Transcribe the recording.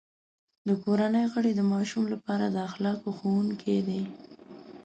د کورنۍ غړي د ماشوم لپاره د اخلاقو ښوونکي دي.